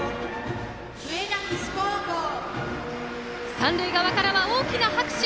三塁側から大きな拍手。